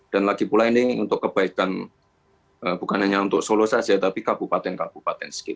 dan lagi pula ini untuk kebaikan bukan hanya untuk solo saja tapi kabupaten kabupaten sekitar